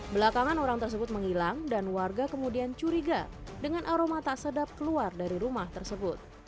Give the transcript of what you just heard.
belakangan orang tersebut menghilang dan warga kemudian curiga dengan aroma tak sedap keluar dari rumah tersebut